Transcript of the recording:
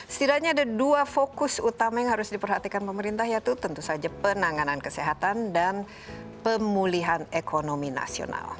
setidaknya ada dua fokus utama yang harus diperhatikan pemerintah yaitu tentu saja penanganan kesehatan dan pemulihan ekonomi nasional